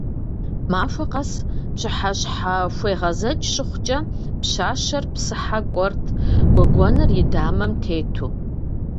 Махуэ къэс пщыхьэщхьэхуегъэзэкӀ щыхъукӀэ, пщащэр псыхьэ кӀуэрт гуэгуэныр и дамэм тету.